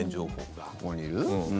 ここにいる？